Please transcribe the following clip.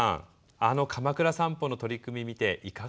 あのかまくら散歩の取り組み見ていかがでしたか？